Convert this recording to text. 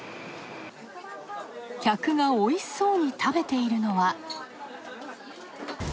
客がおいしそうに食べているのは。